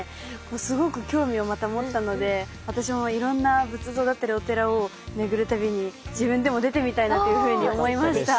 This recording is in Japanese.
すごく興味をまた持ったので私もいろんな仏像だったりお寺を巡る旅に自分でも出てみたいなというふうに思いました。